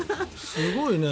すごいね。